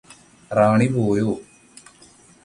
റാണി പോയോ